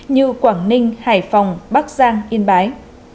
như quảng ninh hải phòng bắc giang yên bái